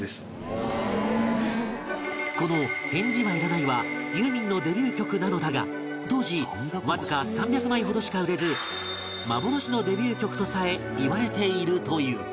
この『返事はいらない』はユーミンのデビュー曲なのだが当時わずか３００枚ほどしか売れず幻のデビュー曲とさえ言われているという